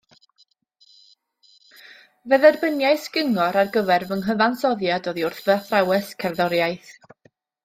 Fe dderbyniais gyngor ar gyfer fy nghyfansoddiad oddi wrth fy athrawes cerddoriaeth